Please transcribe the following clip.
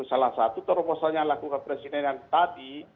salah satu terobosannya yang lakukan presiden tadi